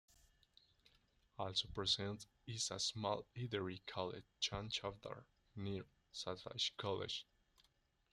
Also present is a small eatery called "Chan Chavdar" near Sathaye college.